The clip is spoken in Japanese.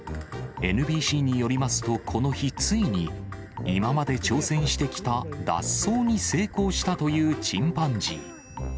ＮＢＣによりますと、この日、ついに、今まで挑戦してきた脱走に成功したというチンパンジー。